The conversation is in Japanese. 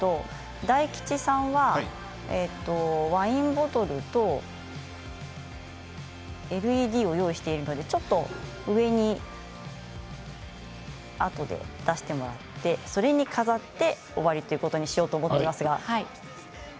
大吉さんはワインボトルとＬＥＤを用意しているのでちょっと上にあとで出してもらってそれに飾って終わりということにしようと思っていますが。